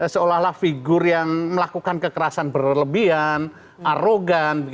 seolah olah figur yang melakukan kekerasan berlebihan arogan